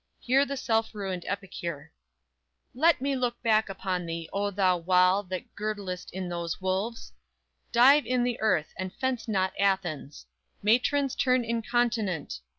Hear the self ruined epicure: _"Let me look back upon thee, O thou wall That girdlest in those wolves! Dive in the earth, And fence not Athens! Matrons turn incontinent!